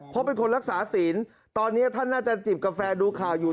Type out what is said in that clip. เพราะเป็นคนรักษาศีลตอนนี้ท่านน่าจะจิบกาแฟดูข่าวอยู่